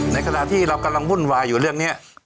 ในขณะที่เรากำลังวุ่นวายอยู่เรื่องนี้